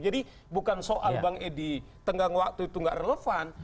jadi bukan soal bang edi tenggang waktu itu nggak relevan